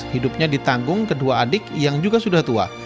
hidupnya ditanggung kedua adik yang juga sudah tua